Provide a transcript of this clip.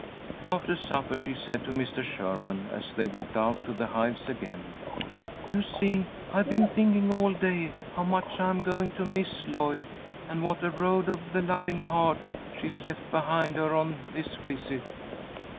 After supper she said to Mr. Sherman, as they walked out to the hives again, "You see, I'd been thinking all day how much I am going to miss Lloyd, and what a Road of the Loving Heart she's left behind her on this visit.